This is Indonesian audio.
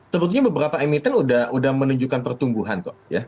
sebetulnya beberapa emiten udah menunjukkan pertumbuhan kok ya